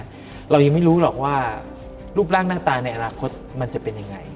ยังไม่รู้หรอกว่ารูปร่างตันตาในอนาคตจะเป็นยังไง